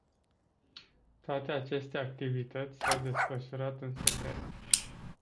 Toate aceste activități s-au desfășurat în secret.